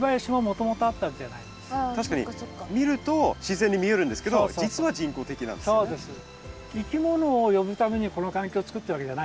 確かに見ると自然に見えるんですけど実は人工的なんですよね。